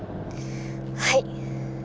はい。